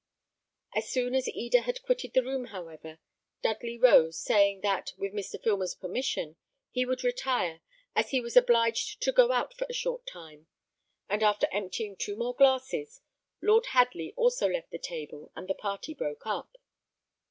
As soon as Eda had quitted the room, however, Dudley rose, saying that, with Mr. Filmer's permission, he would retire, as he was obliged to go out for a short time; and after emptying two more glasses, Lord Hadley also left the table, and the party broke up.